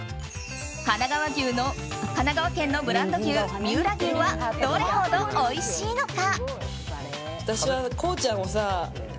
神奈川県のブランド牛、三浦牛はどれほどおいしいのか。